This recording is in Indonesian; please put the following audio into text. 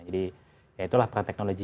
jadi ya itulah para teknologi